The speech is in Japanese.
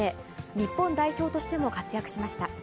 日本代表としても活躍しました。